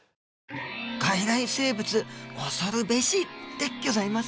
外来生物恐るべしでギョざいますね！